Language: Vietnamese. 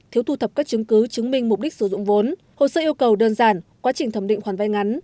thiếu thu thập các chứng cứ chứng minh mục đích sử dụng vốn hồ sơ yêu cầu đơn giản quá trình thẩm định khoản vay ngắn